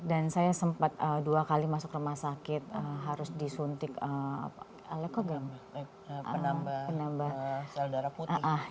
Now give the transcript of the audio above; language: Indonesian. dan saya sempat dua kali masuk rumah sakit harus disuntik penambah sel darah putih